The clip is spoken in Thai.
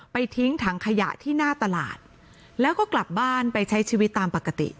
ทิ้งถังขยะที่หน้าตลาดแล้วก็กลับบ้านไปใช้ชีวิตตามปกติ